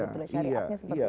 syariatnya seperti apa